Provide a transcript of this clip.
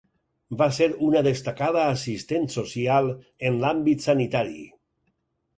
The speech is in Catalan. Va ser una destacada assistent social en l'àmbit sanitari.